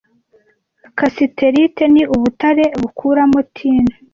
Cassiterite ni ubutare bukuramo Tin